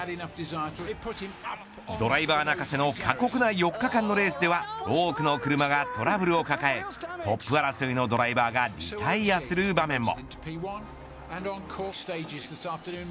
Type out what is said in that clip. ドライバー泣かせの過酷な４日間のレースでは多くの車がトラブルを抱えトップ争いのドライバーがリタイヤする場面も。